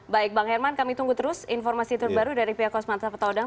baik bang herman kami tunggu terus informasi terbaru dari pihak kosmanta petaudang